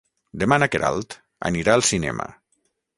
Demà na Queralt anirà al cinema.